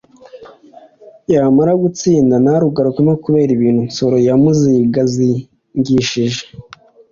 yamara gutsinda ntarugarukemo kubera ibintu Nsoro yamuzigazigishije